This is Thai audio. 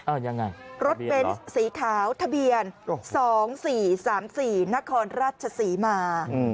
อ่ายังไงรถเบนส์สีขาวทะเบียนสองสี่สามสี่นครราชศรีมา